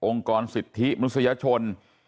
องค์กรสิทธิมนุษยชน